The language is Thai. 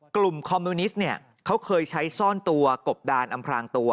กลุ่มคอมมิวนิสต์เค้าเคยใช้ซ่อนตัวกบดานอำรางตัว